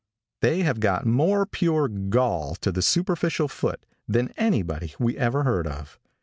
They have got more pure gall to the superficial foot than anybody we ever heard of.